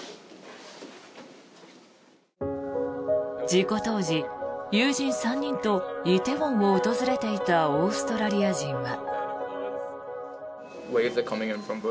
事故当時、友人３人と梨泰院を訪れていたオーストラリア人は。